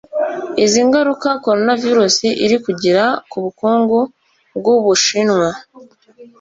Izi ngaruka coronavirus iri kugira ku bukungu bw'Ubushinwa